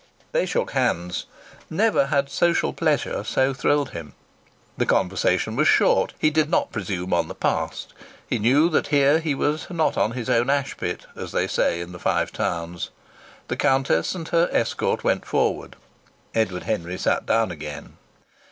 They shook hands. Never had social pleasure so thrilled him. The conversation was short. He did not presume on the past. He knew that here he was not on his own ashpit, as they say in the Five Towns. The Countess and her escort went forward. Edward Henry sat down again.